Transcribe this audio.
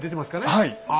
はい。